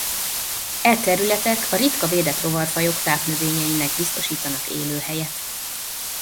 E területek a ritka védett rovarfajok tápnövényeinek biztosítanak élőhelyet.